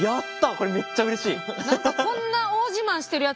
これめっちゃうれしい！